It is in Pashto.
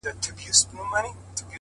دا وايي دا توره بلا وړي څوك!